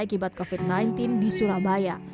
akibat covid sembilan belas di surabaya